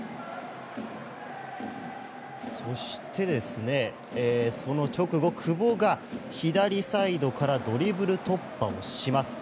そしてその直後、久保が左サイドからドリブル突破をします。